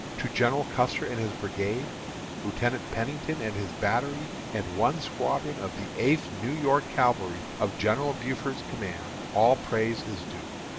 To General Custer and his brigade, Lieutenant Pennington and his battery, and one squadron of the Eighth New York Cavalry, of General Buford's command, all praise is due.